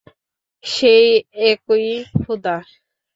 সেই একই ক্ষুধা।